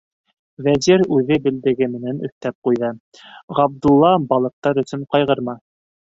Вәзир үҙ белдеге менән өҫтәп ҡуйҙы: Ғабдулла, балыҡтар өсөн ҡайғырма.